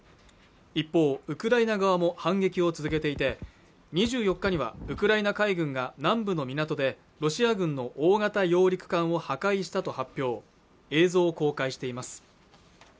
一方ウクライナ側も反撃を続けていて２４日にはウクライナ海軍が南部の港でロシア軍の大型揚陸艦を破壊したと発表映像を公開しています